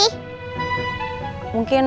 iya keras gak